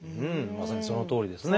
まさにそのとおりですね。